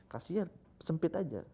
kasihnya sempit aja